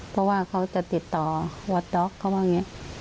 เพราะว่าเขาจะติดต่อวัดด๊อกเขาว่าอย่างนี้